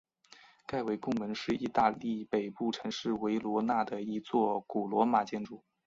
盖维拱门是意大利北部城市维罗纳的一座古罗马建筑。